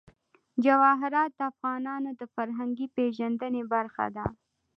جواهرات د افغانانو د فرهنګي پیژندنې برخه ده.